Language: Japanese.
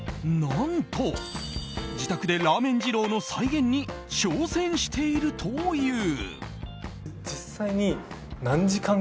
何と、自宅でラーメン二郎の再現に挑戦しているという。